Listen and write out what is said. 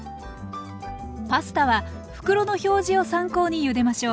パスタは袋の表示を参考にゆでましょう。